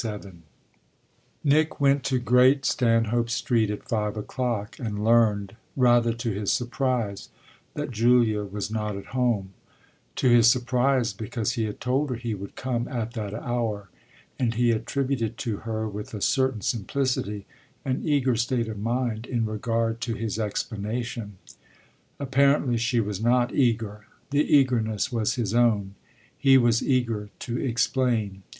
XXVII Nick went to Great Stanhope Street at five o'clock and learned, rather to his surprise, that Julia was not at home to his surprise because he had told her he would come at that hour, and he attributed to her, with a certain simplicity, an eager state of mind in regard to his explanation. Apparently she was not eager; the eagerness was his own he was eager to explain.